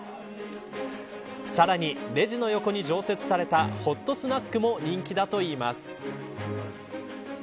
さらに、レジの横に常設されたホットスナックも人気だといいます。